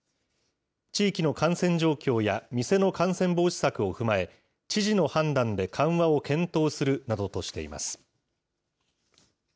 地域の感染状況や店の感染防止策を踏まえ、知事の判断で緩和を検討するなどとしています。